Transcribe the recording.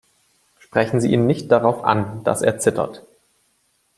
Sprechen Sie ihn nicht darauf an, dass er zittert.